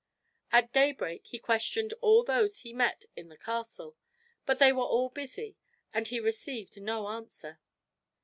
At daybreak he questioned all those he met in the castle; but they were all busy, and he received no answer.